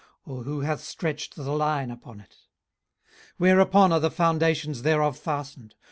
or who hath stretched the line upon it? 18:038:006 Whereupon are the foundations thereof fastened?